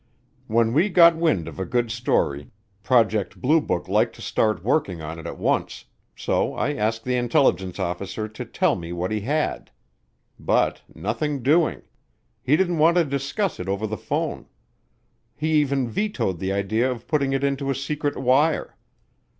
When we got wind of a good story, Project Blue Book liked to start working on it at once, so I asked the intelligence officer to tell me what he had. But nothing doing. He didn't want to discuss it over the phone. He even vetoed the idea of putting it into a secret wire.